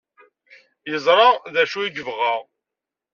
Yeẓra d acu ay yebɣa.